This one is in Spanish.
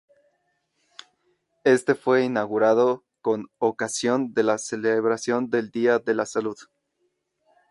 Éste fue inaugurado con ocasión de la celebración del Día de la salud.